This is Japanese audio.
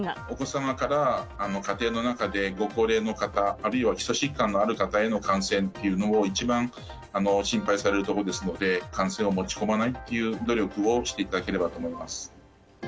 お子様から家庭の中でご高齢の方、あるいは基礎疾患のある方への感染というのを一番心配されるところですので、感染を持ち込まないっていう努力をしていただければと思います。